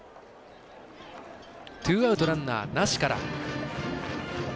ツーアウト、ランナーなしから。